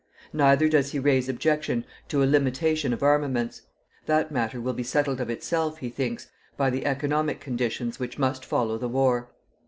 Neither does he raise objection to a limitation of armaments. That matter will be settled of itself, he thinks, by the economic conditions which must follow the war.